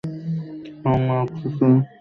সামান্য এক সিকি পয়সাতেই কাজ হবে।